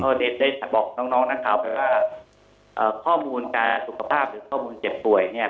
ก็ได้ได้บอกน้องน้องนะครับว่าเอ่อข้อมูลการสุขภาพหรือข้อมูลเจ็บป่วยเนี้ย